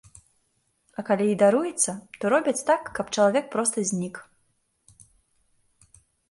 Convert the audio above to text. А калі і даруецца, то робяць так, каб чалавек проста знік.